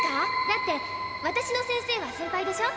だって私の先生はセンパイでしょ？